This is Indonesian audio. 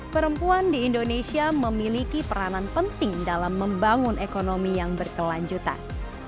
perempuan di indonesia memiliki peranan penting dalam membangun ekonomi yang berkelanjutan